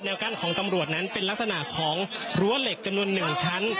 กั้นของตำรวจนั้นเป็นลักษณะของรั้วเหล็กจำนวน๑ชั้น